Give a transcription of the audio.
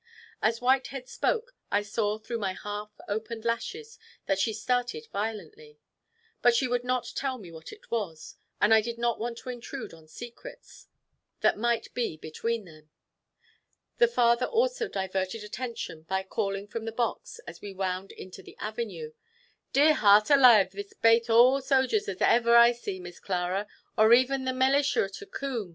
As Whitehead spoke, I saw through my half open lashes that she started violently; but she would not tell me what it was, and I did not want to intrude on secrets that might be between them. The farmer also diverted attention by calling from the box, as we wound into the avenue, "Dear heart alaive; this bate all the sojers as ever I see, Miss Clara, or even the melisher to Coom.